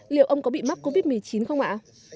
liệu ông có bị mắc covid một mươi chín không ạ